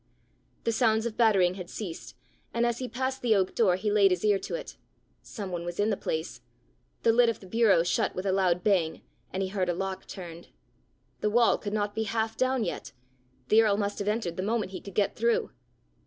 The sounds of battering had ceased, and as he passed the oak door he laid his ear to it: some one was in the place! the lid of the bureau shut with a loud bang, and he heard a lock turned. The wall could not be half down yet: the earl must have entered the moment he could get through!